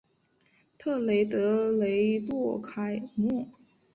特雷德雷洛凯莫。